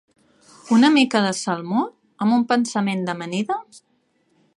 Una mica de salmó? Amb un pensament de d'amanida?